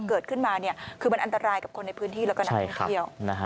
เกิดขึ้นมาคือมันอันตรายกับคนในพื้นที่แล้วก็นักท่องเที่ยว